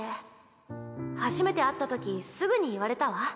初めて会ったときすぐに言われたわ。